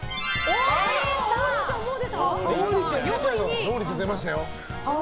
王林ちゃん、もう出ましたよ。